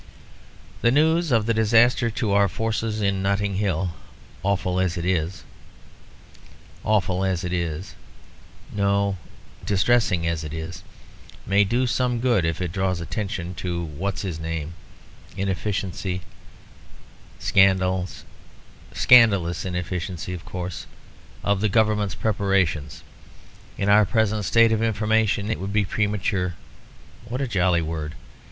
"The news of the disaster to our forces in Notting Hill, awful as it is awful as it is (no, distressing as it is), may do some good if it draws attention to the what's his name inefficiency (scandalous inefficiency, of course) of the Government's preparations. In our present state of information, it would be premature (what a jolly word!)